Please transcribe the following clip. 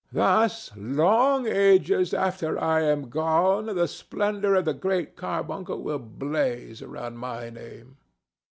Thus long ages after I am gone the splendor of the Great Carbuncle will blaze around my name."